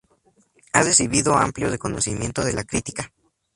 Ha recibido amplio reconocimiento de la crítica.